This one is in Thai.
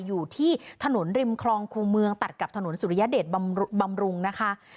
อยู่ที่ถนนริมคลองคู่เมืองตัดกับถนนสุริยเดชบำรุงนะคะ